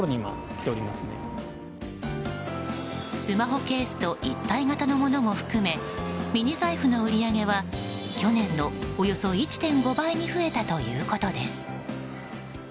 スマホケースと一体型のものも含めミニ財布の売り上げは去年の、およそ１．５倍に増えたということです。